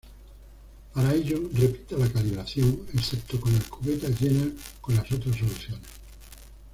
Para ello, repita la calibración, excepto con las cubetas llenas con las otras soluciones.